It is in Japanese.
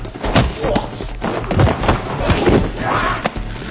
うわ。